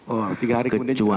oh tiga hari kemudian juga